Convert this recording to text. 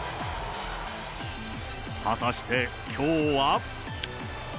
果たしてきょうは？